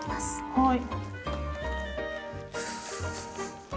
はい。